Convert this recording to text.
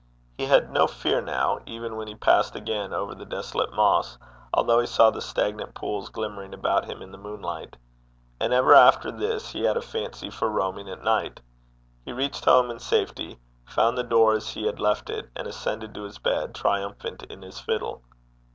He had no fear now, even when he passed again over the desolate moss, although he saw the stagnant pools glimmering about him in the moonlight. And ever after this he had a fancy for roaming at night. He reached home in safety, found the door as he had left it, and ascended to his bed, triumphant in his fiddle.